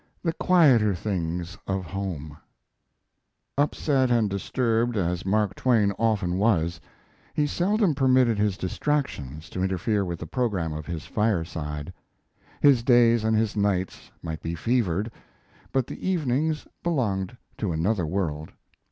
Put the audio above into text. THE QUIETER THINGS OF HOME Upset and disturbed as Mark Twain often was, he seldom permitted his distractions to interfere with the program of his fireside. His days and his nights might be fevered, but the evenings belonged to another world.